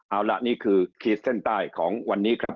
เอาละนี่คือขีดเส้นใต้ของวันนี้ครับ